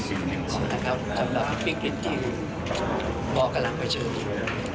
สำหรับพี่พิกฤติที่พ่อกำลังไปเชิญ